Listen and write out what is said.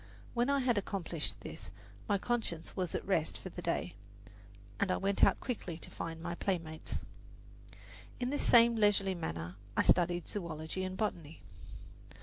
When I had accomplished this my conscience was at rest for the day, and I went out quickly to find my playmates. In this same leisurely manner I studied zoology and botany.